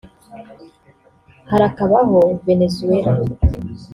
Harakabaho Venezuela